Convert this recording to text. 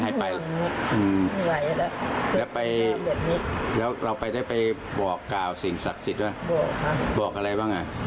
นางกาฏรณีอะไรวนบ้านแซนกล่าว